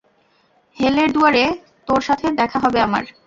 হেল-এর দুয়ারে তোর সাথে দেখা হবে আমার।